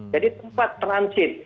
jadi tempat transit